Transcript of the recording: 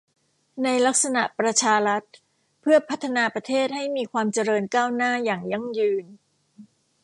ในลักษณะประชารัฐเพื่อพัฒนาประเทศให้มีความเจริญก้าวหน้าอย่างยั่งยืน